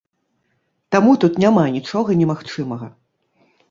Таму тут няма нічога немагчымага.